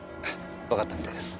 わかったみたいです。